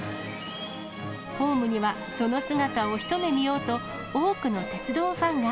ホームには、その姿を一目見ようと、多くの鉄道ファンが。